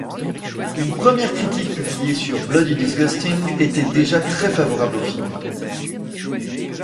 Une première critique publiée sur Bloody Disgusting était très favorable au film.